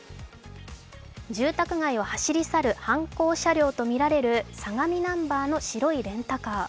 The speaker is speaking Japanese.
住宅街を走り去る犯行車両とみられる相模ナンバーの白いレンタカー。